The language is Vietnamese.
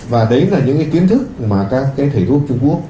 và đấy là những cái kiến thức mà các cái thầy thuốc trung quốc